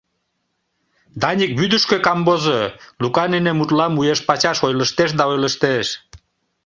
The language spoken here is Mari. — Даник вӱдышкӧ камвозо, — Лука нине мутлам уэш-пачаш ойлыштеш да ойлыштеш.